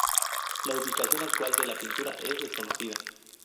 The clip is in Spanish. La ubicación actual de la pintura es desconocida.